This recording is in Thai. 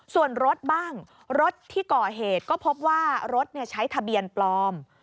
ส่วนรถบ้างรถที่ก่อเหตุก็พบว่ารถใช้ทะเบียนปลอม